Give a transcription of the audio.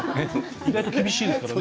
意外と厳しいですよね。